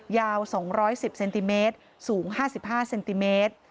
ยาว๒๑๐เซนติเมตรสูง๕๕เซนติเมตร